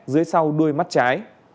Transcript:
dưới sau đuôi mắt trái